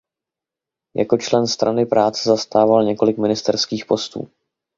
Jako člen Strany práce zastával několik ministerských postů.